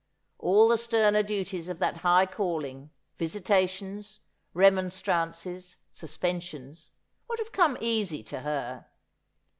All the sterner duties of that high calling — visitations, remonstrances, suspensions — would have come easy to her.